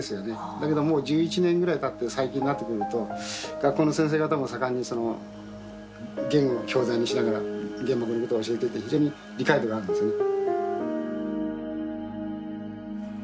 だけどもう１１年ぐらい経って最近になってくると学校の先生方も盛んに『ゲン』を教材にしながら原爆のことを教えていて非常に理解度があるんですよね。